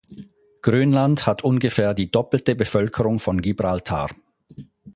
Grönland hat ungefähr die doppelte Bevölkerung von Gibraltar.